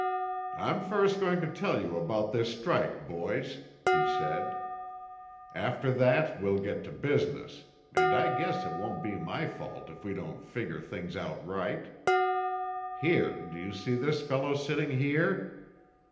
"I'm first going to tell you about this strike, boys," he said. "After that we'll get to business, and I guess it won't be my fault if we don't figger things out right. Here, do you see this fellow sitting here?